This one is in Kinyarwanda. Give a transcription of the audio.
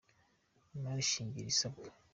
Imari shingiro isabwa